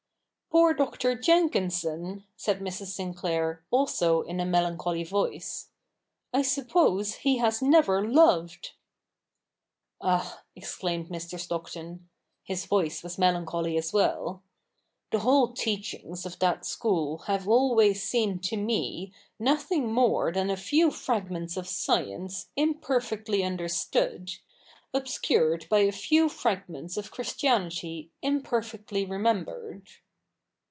' Poor Dr. Jenkinson !' said Mrs. Sinclair, also in a melancholy voice ;' I suppose he has never loved.' ' Ah,' exclaimed Mr. Stockton, — his voice was melan choly as well — 'the whole teachings of that school have always seemed to me nothing more than a few fragments of science imperfectly understood, obscured by a few fragments of Christianity imperfectly remembered.'